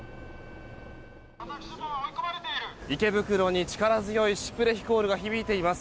池袋に力強いシュプレヒコールが響いています。